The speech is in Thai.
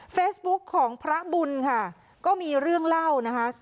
เฟซบุ๊คของพระบุญค่ะก็มีเรื่องเล่านะคะ